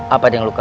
apa ada yang luka